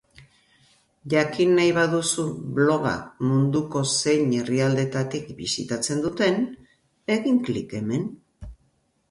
Jakin nahi baduzu bloga munduko zein herrialdetatik bisitatzen duten, egin klik hemen.